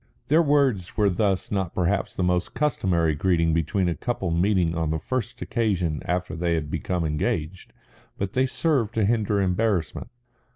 Their words were thus not perhaps the most customary greeting between a couple meeting on the first occasion after they have become engaged, but they served to hinder embarrassment.